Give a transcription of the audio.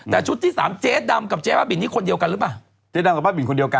แต่ชุดที่สามเจ๊ดำกับเจ๊บ้าบินนี่คนเดียวกันหรือเปล่าเจ๊ดำกับบ้าบินคนเดียวกัน